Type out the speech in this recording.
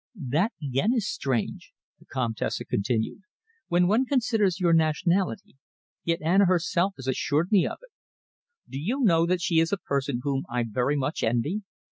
"That again is strange," the Comtesse continued, "when one considers your nationality, yet Anna herself has assured me of it. Do you know that she is a person whom I very much envy?